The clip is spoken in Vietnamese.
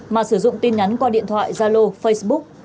mà sử dụng tin nhắn qua điện thoại gia lô facebook